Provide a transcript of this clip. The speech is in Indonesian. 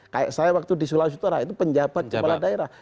kayak saya waktu di sulawesi utara itu penjabat kepala daerah